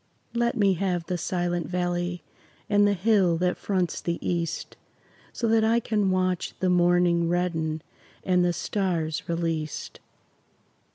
Let me have the Silent Valley And the hill that fronts the east, So that I can watch the morning Redden and the stars released.